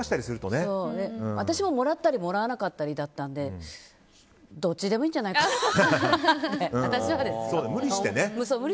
私ももらったりもらわなかったりだったんでどっちでもいいんじゃないって。